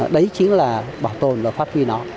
đấy chính là bảo tồn và phát huy nó